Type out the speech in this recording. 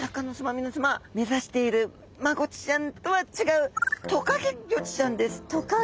皆さま目指しているマゴチちゃんとは違うトカゲゴチちゃんです。